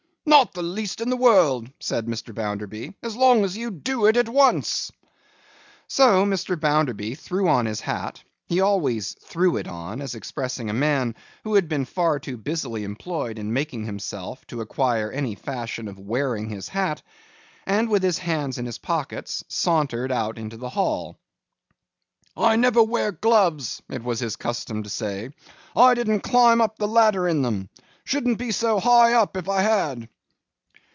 'Not the least in the world,' said Mr. Bounderby, 'as long as you do it at once!' So, Mr. Bounderby threw on his hat—he always threw it on, as expressing a man who had been far too busily employed in making himself, to acquire any fashion of wearing his hat—and with his hands in his pockets, sauntered out into the hall. 'I never wear gloves,' it was his custom to say. 'I didn't climb up the ladder in them.—Shouldn't be so high up, if I had.